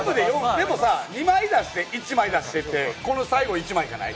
でもさ、２枚出して、１枚出してこの最後、１枚じゃない？